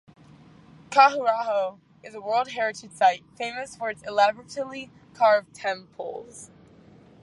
Khajuraho is a World Heritage Site famous for its elaborately carved temples.